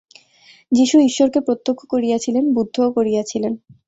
যীশু ঈশ্বরকে প্রত্যক্ষ করিয়াছিলেন, বুদ্ধও করিয়াছিলেন।